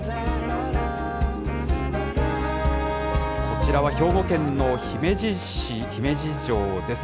こちらは兵庫県の姫路市、姫路城です。